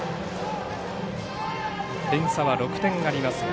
点差は６点あります。